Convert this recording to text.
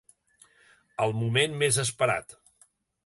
El moment més esperat.